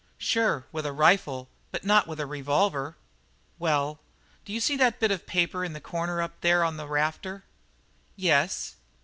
"Sure, with a rifle, but not with a revolver." "Well, do you see that bit of paper in the corner there up on the rafter?" "Yes."